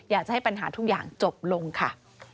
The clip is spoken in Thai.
อยากจะให้ปัญหาทุกอย่างจบลงค่ะ